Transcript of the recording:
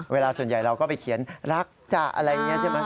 เวลาส่วนใหญ่เราก็ไปเขียนรักจะอะไรอย่างนี้ใช่ไหม